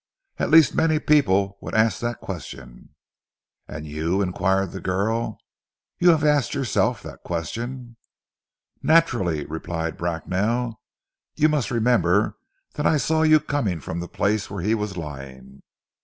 "At least many people would ask that question." "And you?" inquired the girl. "You have asked yourself that question?" "Naturally," replied Bracknell. "You must remember that I saw you coming from the place where he was lying."